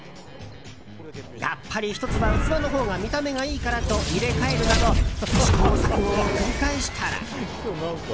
やっぱり１つは器のほうが見た目がいいからと入れ替えるなど試行錯誤を繰り返したら。